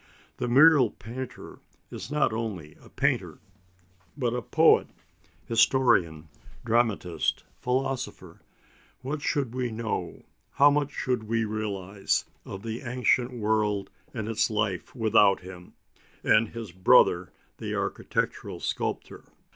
The mural painter is not only a painter, but a poet, historian, dramatist, philosopher. What should we know, how much should we realise, of the ancient world and its life without him, and his brother the architectural sculptor?